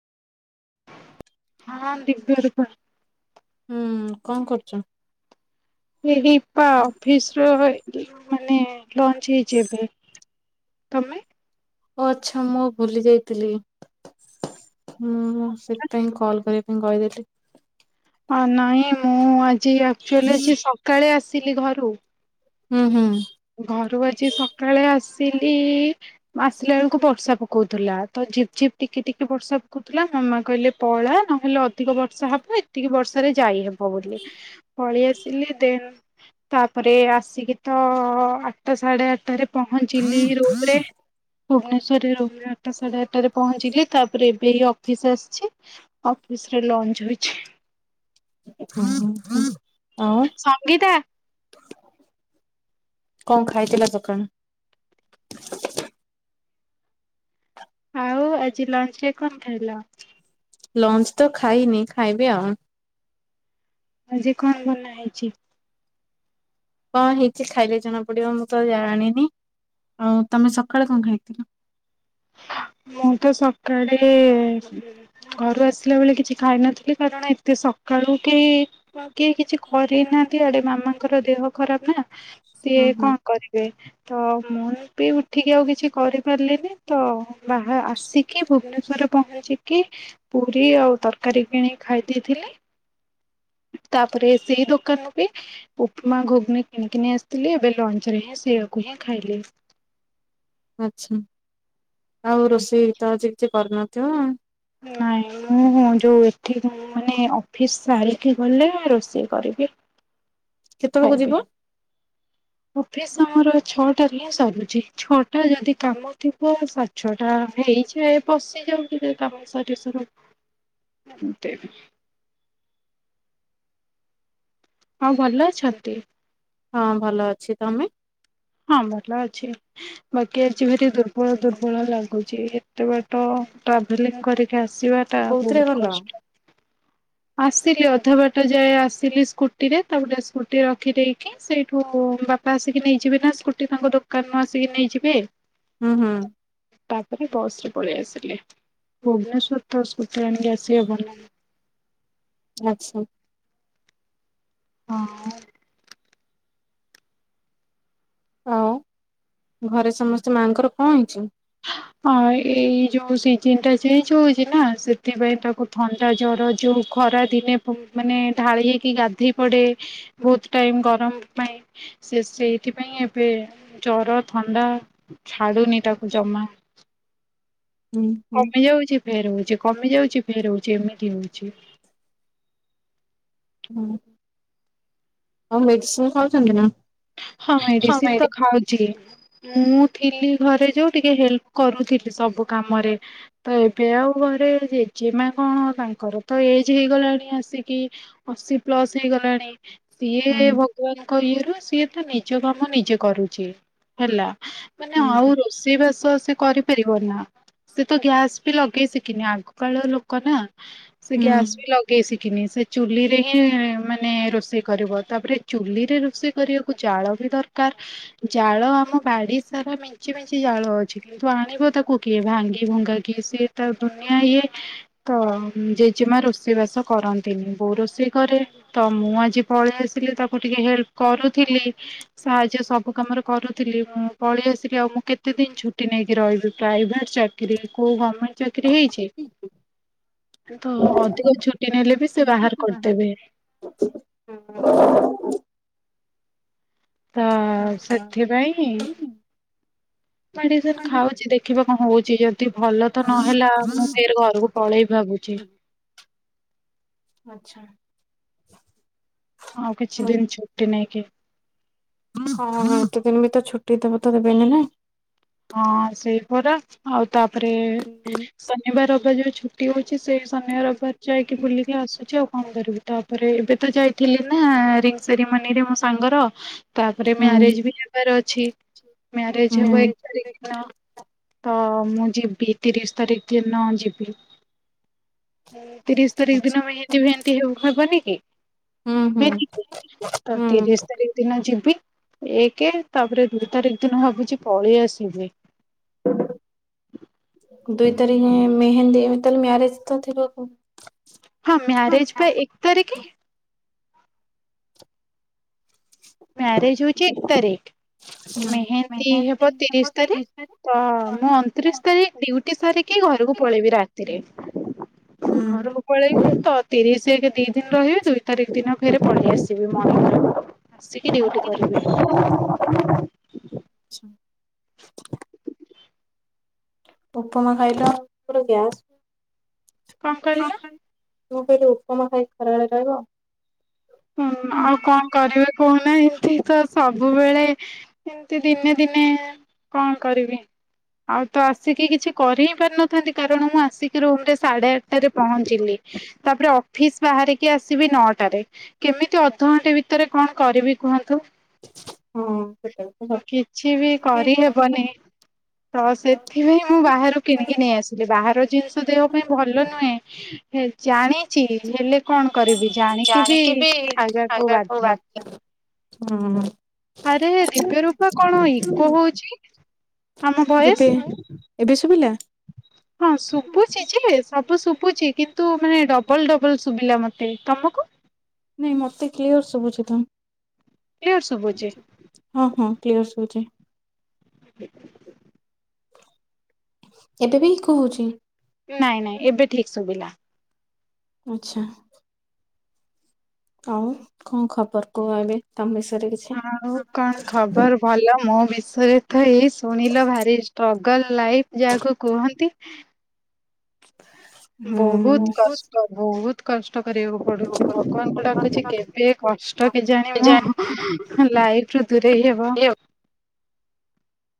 ହଁ ଦିବ୍ୟରୂପ। ହୁଁ କଣ କରୁଛ? ଦିଦିପା ଅଫିସ ର ମାନେ ଲଞ୍ଚ ହେଇଛି ଏବେ। ତମେ? ଓ ଆଚ୍ଛା ମୁଁ ଭୁଲି ଯାଇଥିଲି, ମୁଁ ସେଥିପାଇଁ କଲ୍ କରେ। ମୁଁ କହିଦେଲି। ଆ ନାଇଁ ମୁଁ ଆ ଜି ଆକ୍ଚୁଆଲି ଆଜି ସକାଳେ ଆସି ଆସିଲି ଘରୁ। ହୁଁ ହୁଁ। ଘରୁ ଆଜି ସକାଳେ ଆସିଲି ଆସିଲା ବେଳକୁ ବର୍ଷା ପକଉଥିଲା ତ ଝିପ୍ ଝିପ୍ ଟିକେ ଟିକେ ବର୍ଷା ପକଉଥିଲା ମାମା କହିଲେ ପଳା ନହେଲେ ଅଧିକ ବର୍ଷା ହବ ଏତିକି ବର୍ଷାରେ ଯାଇହବ ବୋଲି, ପଳେଇ ଆସିଲି ଦେନ୍ ତାପରେ ଆସିକି ତ ଆଠଟା ସାଢ଼େ ଆଠଟାରେ ପହଞ୍ଚିଲି ରୁମ୍ ରେ ଭୁବନେଶ୍ୱରରେ ରୋ ଆଠଟା ସାଢ଼େ ଆଠରେ ପହଞ୍ଚିଲି ତାପରେ ଏବେ ଅଫିସ ଆସିଛି, ଅଫିସରେ ଲଞ୍ଚ ହୋଇଛି। [inaudible] ସଙ୍ଗୀତା। କଣ ଖାଇଥିଲ ସକାଳେ? ଆଉ ଆଜି ଲଞ୍ଚରେ କଣ ଖାଇଲ? ଲଞ୍ଚ ତ ଖାଇନି, ଖାଇବି ଆଉ। ଆଝି କଣ ବନା ହେଇଛି? କଣ ହେଇଛିି ଖାଇଲେ ଜଣା ପଡିବ ମୁଁ ତ ଜାଣିନି, ଆଉ ତମେ ସକାଳେ କଣ ଖାଇଥିଲ? ମୁଁ ତ ସକାଳେ ଘରୁ ଆସିଲା ବେଳେ କିଛି ଖାଇନଥିଲି କାରଣ ଏତେ ସକାଳୁ କେହି କି କିଛି କରିନାହାନ୍ତି ଆଡେ ମାମାଙ୍କର ଦେହ ଖରାପ ନା ସିଏ ହୁଁ ହୁଁ କଣ କରିବେ? ତ ମୁଁ ବି ଉଠିକି ଆଉ କିଛି କରିପାରିଲିନି ତ ବାହା ଆସିକି ଭୁବନେଶ୍ଵର ପହଞ୍ଚିକି ପୁରୀ ଆଉ ତରକାରୀ କିଣିକି ଖାଇ ଦେଇଥିଲି ତାପରେ ସେଇ ଦୋକାନରୁ ବି ଉପମା ଘୁଗୁନି କିଣିକି ନେଇ ଆସିଥିଲି ଏବେ ଲଞ୍ଚ ରେ ହିଁ ସେଆକୁ ହିଁ ଖାଇଲି ଆଚ୍ଛା ଆଉ ରୋଷେଇ ତ ଆଛି କିଛି କରିନଥିବ ନାଇଁ ମୁଁ ଯୋଉ ଏଠି ମାନେ ଅଫିସ ସାରିକି ଗଲେ ରୋଷେଇ କରିବି କେତେବେଳକୁ ଯିବ? ଖାଇବି ଅଫିସ୍ ଆମର ଛଅଟା ହିଁ ସରୁଛି ଛଅଟା ଯଦି କାମ ଥିବ ସାଡେଛଟା ହେଇଯାଏ ପଶିଯାଉ କାମ ସାରୁ ସାରୁ ହଁ ଭଲ ଅଛନ୍ତି ହଁ ଭଲ ଅଛି ତମେ ହଁ ଭଲ ଅଛି ବାକି ଆଜି ଭାରି ଦୁର୍ବଳ ଦୁର୍ବଳ ଲାଗୁଛି ଏତେ ବାଟ ଟ୍ରାଭେଲିଂ କରିକି ଆ ଆସିବା ଟା କୋଉଥିରେ ବହୁତ ଭଲ? କଷ୍ଟ ଆସିଲି ଅ ରଧ ବାଟ ଯାଏ ଆସିଲି ସ୍କୁଟିରେ ତାପଟେ ସ୍କୁଟି ରଖିଦେଇକି ସେଇଠୁ ବାପା ଆସିକି ନେଇ ଯିବେ ତା ସ୍କୁଟି ତାଙ୍କ ଦୋକାନରୁ ଆସିକି ନେଇଯିବେ। ହୁଁ ହୁଁ ତାପରେ ବସ୍ ରେ ପଳେଇ ଆସିଲି ଭୁବନେଶ୍ଵର ତ ସ୍କୁଟି ଆଣିକି ଆସିହବ ନା? ଆଚ୍ଛା। ହଁ। ଆଉ ଘରେ ସମସ୍ତେ ମାଙ୍କର କଣ ହେଇଛି? ଏଇ ଯୋଉ ସିଜନ ଟା ଚେଞ୍ଜ ହଉଛି ନା ସେଥିପାଇଁ ତାକୁ ଥଣ୍ଡା ଜର ଯୋଉ ଖରା ଦିନେ ମାନେ ଢାଳି ହେଇକି ଗାଧେଇ ପଡେ ବହୁତ ଟାଇମ ଗରମ ପାଇଁ ସେ ସେଇଥିପାଇଁ ଏବେ ଜର ଥଣ୍ଡା ଛାଡୁନି ତାକୁ। ଜମା। ହୁଁ ହୁଁ କମି ଯାଉଛି ଫେର ହଉଛି। କମି ଯାଉଛି ଫେର ହଉଛି ଏମିତି ହଉଛି। ହଁ ଆଉ ମେଡିସିନି ଖାଉଛନ୍ତି ନା। ହଁ ଭାଇ ମେଡିସିନି ସମୟରେ ତ ଖାଉଛି। ମୁଁ ଥିଲି ଘରେ ଯୋଉ ଟିକେ ହେଲ୍ପ କରୁଥିଲି ସବୁ କାମରେ ତ ଏବେ ଆଉ ଘରେ ଜେଜେମା କଣ ତାଙ୍କର ତ କଣ ହେଇଗଲାଣି ଆସିକି ଅଶି ପ୍ଲସ ହେଇଗଲାଣି ହୁଁ ସିଏ ଭଗବାନଙ୍କ ଇଏରୁ ସିଏ ନିଜ କାମ ନିଜେ କରୁଛି ହେଲା। ମାନେ ହୁଁ ଆଉ ହୁଁ। ରୋଷେଇ ବାସ ସେ କରିପାରିବ ନା ସେ ତ ଗ୍ୟାସ୍ ବି ଲଗେଇ ଶିଖିନି ଆଗ କାଳ ଲୋକ ନା ସେ ଗ୍ୟାସ ବି ଲଗେଇ ଶିଖିନି ସେ ଚୁଲିରେ ହିଁ ମାନେ ରୋଷେଇ କରିବ ତାପରେ ଚୁଲିରେ ରୋଷେଇ କରିବାକୁ ଜାଳ ବି ଦରକାର ଜାଳ ଆମ ବାଡି ସାରା ମିଞ୍ଚି ମିଞ୍ଚି ଜାଳ ଅଛି କିନ୍ତୁ ଆଣିବ ତାକୁ କିଏ ଭାଙ୍ଗି ଭଙ୍ଗା କିି ସିଏ ତା ଦୁନିଆ ଇଏ ତ ଜେଜେମା ରୋଷେଇ ବାସ କରନ୍ତିନି ବୋଉ ରୋଷେଇ କରେ ତ ମୁଁ ଆଜି ପଳେଇ ଆସିଲି ତାକୁ ଟିକେ ହେଲ୍ପ କରୁ ଥିଲି ସାହାଯ୍ୟ ସବୁ କାମରେ କରୁଥିଲି ମୁଁ ପଳେଇ ଆସିଲି ଆଉ ମୁଁ କେତେ ଦିନ ଛୁଟ ଛୁଟି ନେଇକି ରହିବି ପ୍ରାଇଭେଟ ଚାକିରି କୋଉ ଗମେଣ୍ଟ ଚାକିରୀ ହେଇଛି ତ ଅଧିକ ଛୁଟି ନେଲେ ବି ସେ ବାହାର କରିଦେବେ। ତ ସେଥିପାଇଁ ମେଡିସିନ ଖାଉଛି ଦେଖିବା ହଁ ହଉଛି ଯଦି ଭଲ ତ ନହେଲା ମୁଁ ସେରେ ଘରକୁ ପଳେଇ ଭାବୁଛି। ଆଛା। ଆଉ କିଛି ଦିନ ଛୁଟି ନେଇକି ହଁ ହଁ ଏତେ ଦିନ ବି ତ ଛୁଟି ଦେବ ତ ଦେବେନି ନା। ହଁ ସେଇ ପରା ଆଉ ତାପରେ ଶନିବାର ରବିବାର ଯୋଉ ଛୁଟି ହଉଛି ସେଇ ଶନିବାର ରବିବାର ଯାଇକି ବୁଲିକି ଆସୁଛି ଆଉ କଣ କରିବି ତାପରେ ଏବେ ତ ଯାଇଥିଲି ନା ରିଙ୍ଗ ସେରିମୋନିରେ ମୋ ସାଙ୍ଗର। ତାପରେ ହୁଁ ମ୍ୟାରେଜ ବି ହେବାର ଅଛି। ଅଛି। ମ୍ୟାରେଜ ହେବ ହୁଁ ଏକ ତ, ମୁଁ ଯିବି ତିରିଶ ତାରିଖ ଦିନ ଯିବି। ତିରିଶ ତାରିଖ ଆଚ୍ଛା ଦିନ ଏମିତି, ଏମିତି ହେବନି କି? ହୁଁ ହୁଁ ତ ହୁଁ ତିରିଶ ତାରିଖ ଦିନ ଯିବି। ଏକ, ତାପରେ ଦୁଇ ତାରିଖ ଦିନ ଭାବୁଛି ପଳେଇ ଆସ। ି [unintelligible] ଦୁଇ ତାରିଖ ମେହେନ୍ଦୀ ତା ମ୍ୟାରେଜ ତ ଥିବ। ହଁ ମ୍ୟାରେଜ ପା ଏକ ତାରିଖୀ। ମ୍ୟାରେଜ ହଉଛି ଏକ ତାରିଖ ମେହେନ୍ଦୀ ହେବ ତିରିଶ ତାରିଖ। ତ ମୁଁ ଅଣତିରିଶ ତାରିଖ ଡ୍ୟୁଟି ସାରିକି ଘରକୁ ପଳେଇବି ରାତିରେ। ଘର କୁ ପଳେଇ ତ ତିରିଶ ଏକ ଦି ଦିନ ରହିବି, ଦୁଇ ତାରିଖ ଦିନ ଫେରେ ପଳେଇ ଆସିବି ମର୍ନିଙ୍ଗ ରୁ। ଆସିକି ଡ୍ୟୁଟି କରିବି। ହୁଁ [inaudible] ଆଛା [inaudible] ଉପମା ଖାଇଲେ ମୋର ଗ୍ୟାସ କଣ କରିଲ? ମୁଁ କହିଲି ଉପମା ଖାଇକି ଖରାବେଳେ ରହିବ। ହୁଁ ଆଉ କଣ କରିବେ କହୁ ନା ଏମତି ତ [inaudible] ସବୁବେଳେ ଏମତି ଦିନେ ଦିନେ କଣ କରିବି ଆଉ ତ ଆସିକି କିଛି କରି ହିଁ ପାରିନଥାନ୍ତି। କାରଣ ମୁଁ ଆସିକି ରୁମ ରେ ସାଢେ ଆଠଟାରେ ପହଞ୍ଚିଲି ତାପରେ ଅଫିସ ବାହାରିକି ଆସିବି ନଅଟାରେ। କେମିତି ଅଧଘଣ୍ଟେ ଭିତରେ କଣ କରିବି କୁହନ୍ତୁ? ହଁ ସେଟା ବି ତ କିଛି ବି କରିହେବନି ତ, ସେଥିପାଇଁ ମୁଁ ବାହାରୁ କିଣିକି ନେଇ ଆସିଲି। ବାହାର ଜିନିଷ ଦେବା ପାଇଁ ଭଲ ନୁହେଁ ଜାଣିଛି। ହେଲେ କଣ କରିବି ଜାଣିକି ବି [inaudible] ଖାଇବାକୁ ବାଧ୍ୟ। ଖାଇବାକୁ ବାଧ୍ୟ। ହୁଁ। ଆରେ ଦିବ୍ୟ ରୂପା କଣ ଇକୋ ହଉଛି। ଆମ ଭଏସ? ଏବେ ଏବେ ଶୁଭିଲା। ହଁ ଶୁଭୁଛି ଯେ ସବୁ ଶୁଭୁଛି କିନ୍ତୁ ମାନେ ଡବଲ୍ ଡବଲ୍ ଶୁଭିଲା ମତେ ତମକୁ। ନାଇଁ ମତେ କ୍ଲିୟର ସୁବୁଛି ତ। କ୍ଲିୟର ଶୁଭୁଛି ହଁ ହଁ କ୍ଲିୟର ସୁବୁଛି। ହ [inaudible] ଏବେ ବି ଇକୋ ହଉଛି। ନାଇଁ ନାଇଁ ଏବେ ଠିକ ଶୁଭିଲା। ଆଚ୍ଛା। ଆଉ କଣ ଖବର କୁହ ଏବେ ତମେ ସ ଆଉ କଣ ଖବର ଭଲ ମୁଁ ବି? ଶ [unintelligible] ତ ଏଇ ଶୁଣିଲ ଭାରି ଷ୍ଟ୍ରଗଲ ଲାଇଫ ଯାହାକୁ କୁହନ୍ତି। ଓ ବହୁତ କଷ୍ଟ ବହୁତ। କଷ୍ଟ। କଷ୍ଟ କରିବାକୁ ପଡୁଛି ଭଗବାନଙ୍କୁ ଡାକୁଛି କେବେ କଷ୍ଟ କି ଜାଣି ମୋ ଲାଇଫ ରୁ ଦୂରେଇ ହବ।